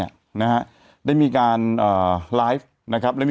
แต่หนูจะเอากับน้องเขามาแต่ว่า